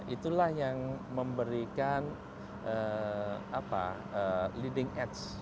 itulah yang memberikan leading ats